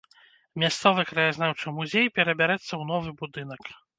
Мясцовы краязнаўчы музей перабярэцца ў новы будынак.